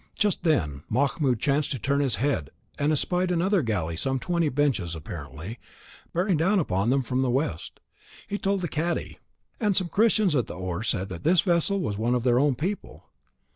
Just then Mahmoud chanced to turn his head, and espied another galley of some twenty benches apparently, bearing down upon them from the west. He told the cadi, and some Christians at the oar said that this was a vessel of their own people.